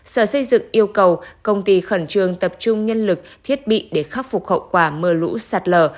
sở xây dựng yêu cầu công ty khẩn trương tập trung nhân lực thiết bị để khắc phục hậu quả mưa lũ sạt lở